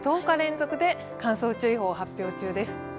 １０日連続で乾燥注意報発令中です。